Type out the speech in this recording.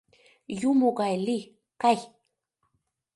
Юмо гай лий, кай!